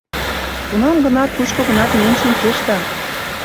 Кунам-гынат кушко-гынат миен шинчеш да.